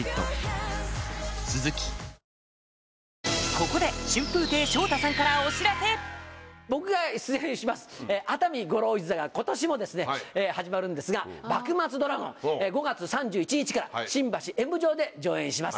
ここで僕が出演します熱海五郎一座が今年もですね始まるんですが『幕末ドラゴン』５月３１日から新橋演舞場で上演します。